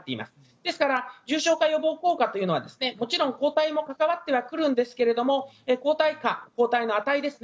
ですから重症化予防効果というのはもちろん抗体も関わってはくるんですが抗体価、抗体の値ですね。